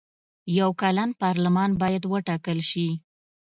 یو کلن پارلمان باید وټاکل شي.